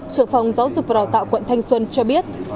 trưởng phòng giáo dục và đào tạo quận thanh xuân cho biết